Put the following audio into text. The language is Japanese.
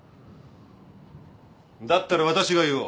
だったら私が言おう。